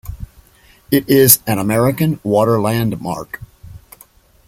It is an American Water Landmark.